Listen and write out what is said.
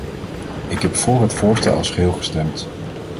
Ik heb vóór het voorstel als geheel gestemd.